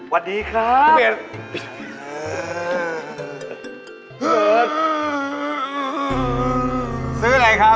วันดีครับเมีย